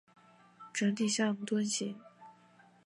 整体像樽形。